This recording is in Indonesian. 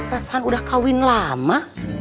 rasanya udah kawin lama